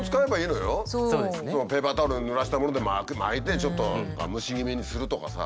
ペーパータオルぬらしたもので巻いてちょっと蒸し気味にするとかさ。